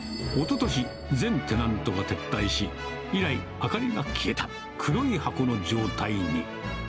おととし、全テナントが撤退し、以来、明かりが消えた黒い箱の状態に。